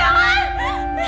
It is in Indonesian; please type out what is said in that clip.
jangan tentu aku